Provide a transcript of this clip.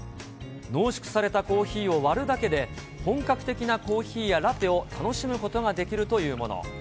濃縮されたコーヒーを割るだけで、本格的なコーヒーやラテを楽しむことができるというもの。